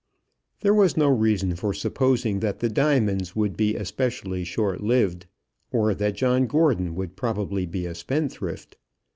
There was no reason for supposing that the diamonds would be especially short lived, or that John Gordon would probably be a spendthrift.